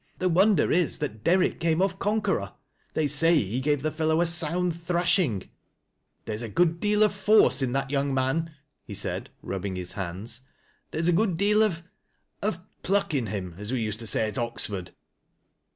The wonder is, that Derrick came off conqueror. They say he gave the fellow a sound thrashing. There is a good deal of force in that young man," he said, rubbing Lis hands. " There is a good deal of — of pluck in him— as we used to say at Oxford."